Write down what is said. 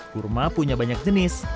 kurma punya banyak jenis